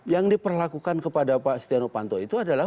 yang diperlakukan kepada pak setiano panto itu adalah